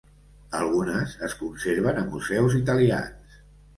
Algunes es conserven a museus italians.